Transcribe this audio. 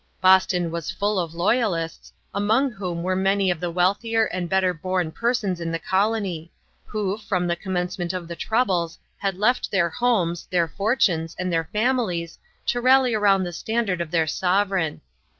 Boston was full of loyalists, among whom were many of the wealthier and better born persons in the colony, who, from the commencement of the troubles had left their homes, their fortunes, and their families to rally round the standard of their sovereign.